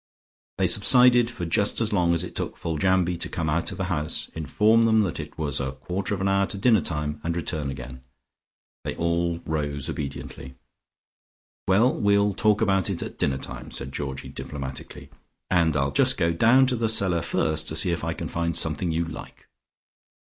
They subsided for just as long as it took Foljambe to come out of the house, inform them that it was a quarter of an hour to dinner time, and return again. They all rose obediently. "Well, we'll talk about it at dinner time," said Georgie diplomatically. "And I'll just go down to the cellar first to see if I can find something you like."